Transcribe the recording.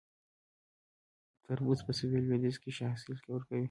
تربوز په سویل لویدیځ کې ښه حاصل ورکوي